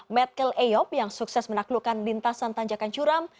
metkel eyop yang sukses menaklukkan lintasan tanjakan curam